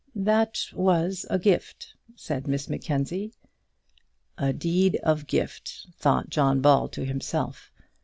"That was a gift," said Miss Mackenzie. "A deed of gift," thought John Ball to himself.